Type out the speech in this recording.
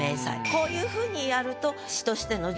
こういうふうにやると。